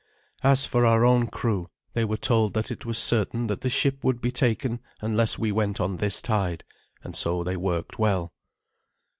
As for our own crew, they were told that it was certain that the ship would be taken unless we went on this tide, and so they worked well.